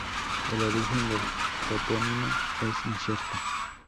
El origen del topónimo es incierto.